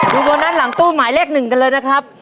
โบนัสหลังตู้หมายเลข๑กันเลยนะครับ